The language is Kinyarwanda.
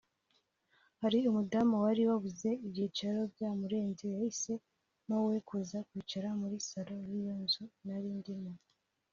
Hari umudamu wari wabuze ibyicaro byamurenze yahisemo we kuza kwicara muri salon y’iyo nzu nari ndimo